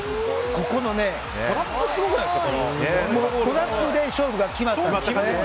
ここのトラップで勝負が決まったという。